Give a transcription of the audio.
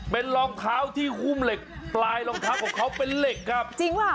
เป็นรองเท้าที่หุ้มเหล็กปลายรองเท้าของเขาเป็นเหล็กครับจริงป่ะ